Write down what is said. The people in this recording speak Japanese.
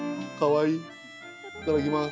いただきます。